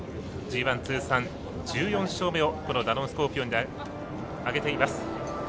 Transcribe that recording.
ＧＩ通算１４勝目をダノンスコーピオンで挙げています。